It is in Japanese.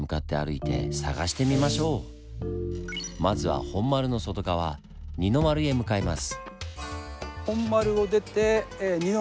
まずは本丸の外側二の丸へ向かいます。